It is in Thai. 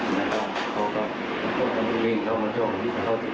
แล้วก็เขาก็มันก็กำลังไปวิ่งเขามาจ้องที่เขาอยู่